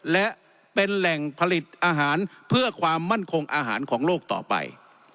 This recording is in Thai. และเป็นแหล่งผลิตอาหารเพื่อความมั่นคงอาหารของโลกต่อไป